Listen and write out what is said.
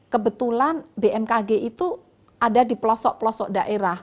kebetulan bmkg itu ada di pelosok pelosok daerah